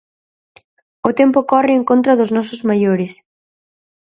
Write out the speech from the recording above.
O tempo corre en contra dos nosos maiores.